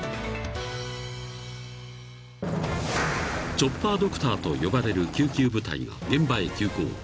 ［チョッパードクターと呼ばれる救急部隊が現場へ急行］